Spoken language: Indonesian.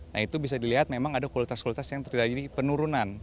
nah itu bisa dilihat memang ada kualitas kualitas yang terjadi penurunan